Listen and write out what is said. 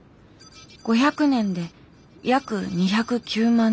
５００年で約２０９万人。